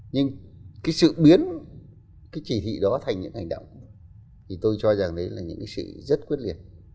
nhưng cái sự biến cái chỉ thị đó thành những hành động thì tôi cho rằng đấy là những cái sự rất quyết liệt